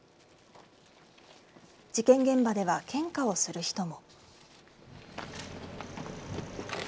事件現場では献花をする人も。